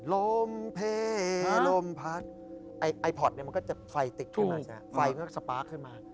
ลมเพลลมพัดไอพอร์ตเนี่ยมันก็จะไฟติดขึ้นมาไฟก็สปาร์คขึ้นมา